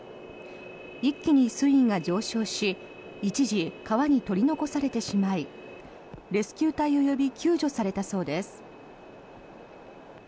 一気に水位が上昇し一時、川に取り残されてしまいレスキュー隊を呼び救助されたそうです。